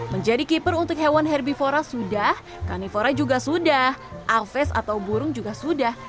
menjadi keeper untuk hewan herbivora sudah kanifora juga sudah alves atau burung juga sudah